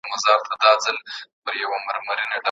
ولي افغان سوداګر کرنیز ماشین الات له ایران څخه واردوي؟